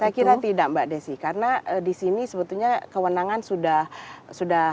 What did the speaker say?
saya kira tidak mbak desi karena di sini sebetulnya kewenangan sudah